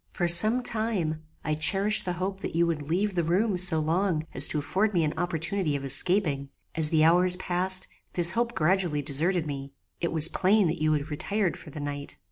For some time, I cherished the hope that you would leave the room so long as to afford me an opportunity of escaping. As the hours passed, this hope gradually deserted me. It was plain that you had retired for the night.